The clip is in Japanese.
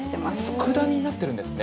佃煮になっているんですね？